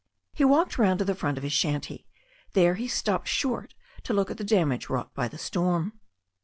He walked round to the front of his shanty. There he stopped short to look at the damage wrought by th^ storm.